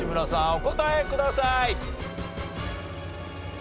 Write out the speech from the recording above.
お答えください。